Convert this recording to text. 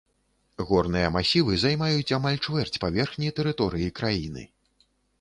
Горныя масівы займаюць амаль чвэрць паверхні тэрыторыі краіны.